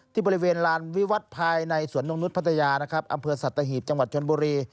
ที่บริเวณลานวิวัติภายในสวนนกนุษย์พัทยานะครับอำเภอสัตหีบจังหวัดชนบุรี